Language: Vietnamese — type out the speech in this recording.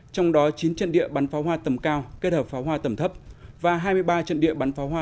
trong đó chín trận địa bắn pháo hoa tầm cao kết hợp pháo hoa tầm thấp và hai mươi ba trận địa bắn pháo hoa